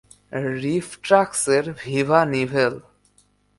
রিফট্রাক্সের Viva nibble!